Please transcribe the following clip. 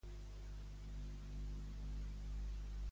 Un taxi ens el podries sol·licitar?